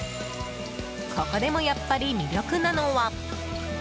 ここでもやっぱり魅力なのは。